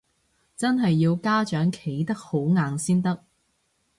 真係要家長企得好硬先得